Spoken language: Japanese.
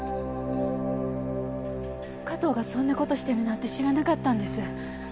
加藤がそんな事してるなんて知らなかったんです。